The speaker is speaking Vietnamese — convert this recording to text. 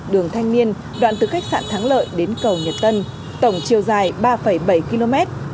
đường thanh niên đoạn từ khách sạn thắng lợi đến cầu nhật tân tổng chiều dài ba bảy km